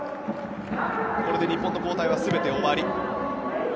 これで日本の交代は全て終わり。